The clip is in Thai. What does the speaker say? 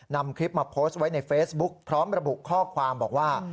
นำคลิปมาโพสต์ไว้ในเฟซบุ๊คพร้อมระบุข้อความบอกว่า